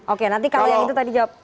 oke nanti kalau yang itu tadi jawab